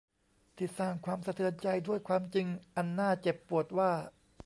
ที่สร้างความสะเทือนใจด้วยความจริงอันน่าเจ็บปวดว่า